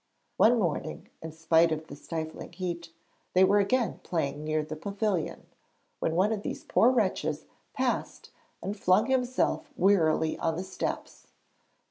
One morning, in spite of the stifling heat, they were again playing near the pavilion, when one of these poor wretches passed and flung himself wearily on the steps.